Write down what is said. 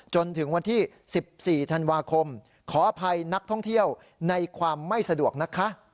จนถึงวันที่๑๔ธันวาคมขออภัยนักท่องเที่ยวในความไม่สะดวกนะคะ